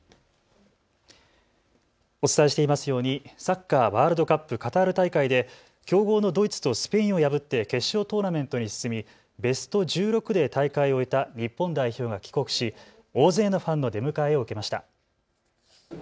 お伝えしていますようにサッカーワールドカップカタール大会で強豪のドイツとスペインを破って決勝トーナメントに進みベスト１６で大会を終えた日本代表が帰国し大勢のファンの出迎えを受けました。